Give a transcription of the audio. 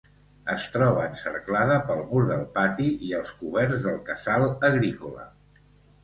Es troba encerclada pel mur del pati i els coberts del casal agrícola.